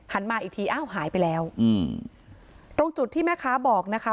มาอีกทีอ้าวหายไปแล้วอืมตรงจุดที่แม่ค้าบอกนะคะ